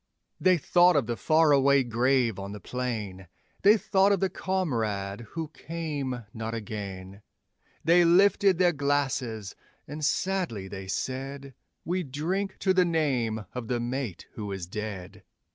They thought of the far away grave on the plain, They thought of the comrade who came not again, They lifted their glasses, and sadly they said: 'We drink to the name of the mate who is dead.'